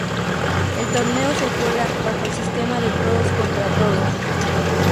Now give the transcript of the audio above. El torneo se juega bajo el sistema de todos contra todos.